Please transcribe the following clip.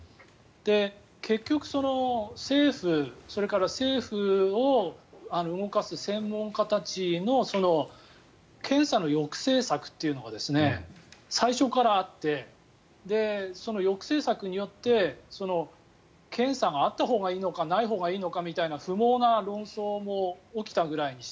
結局、政府それから政府を動かす専門家たちの検査の抑制策というのが最初からあってその抑制策によって検査があったほうがいいのかないほうがいいのかみたいな不毛な論争も起きたくらいで。